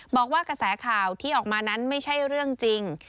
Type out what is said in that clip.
บอกว่ากระแสข่าวที่ออกมานั้นไม่ใช่เรื่องจริง